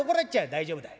「大丈夫だい。